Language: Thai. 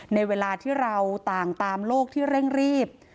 เวลาที่เราต่างตามโลกที่เร่งรีบ